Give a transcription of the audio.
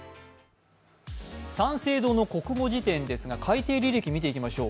三省堂の国語辞典ですが、改訂履歴見ていきましょう。